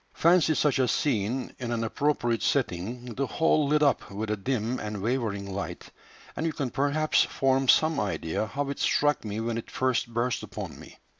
Fancy such a scene in an appropriate setting, the whole lit up with a dim and wavering light, and you can perhaps form some idea how it struck me when it first burst upon me."